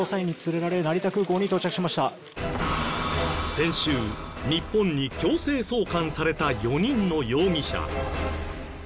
先週日本に強制送還された４人の容疑者。